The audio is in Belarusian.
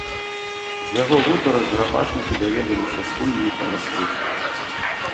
З яго гутарак гарапашнікі даведаліся, скуль ліха на свеце.